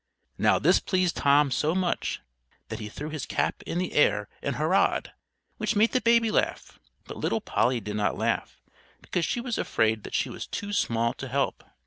Now, this pleased Tom so much that he threw his cap in the air and hurrahed, which made the baby laugh; but little Polly did not laugh, because she was afraid that she was too small to help.